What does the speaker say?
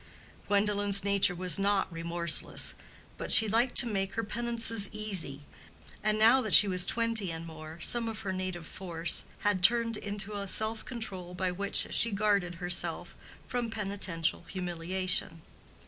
Gwendolen's nature was not remorseless, but she liked to make her penances easy, and now that she was twenty and more, some of her native force had turned into a self control by which she guarded herself from penitential humiliation.